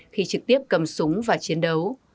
khi trực tiếp cầm súng và chiến đấu